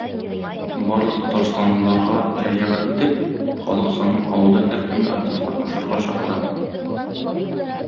Барлык татарстанлыларга мөрәҗәгать итеп, халык санын алуда һәркемне актив катнашырга чакырам.